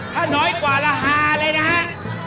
ถ้าน้อยกว่าราคาเลยนะฮะ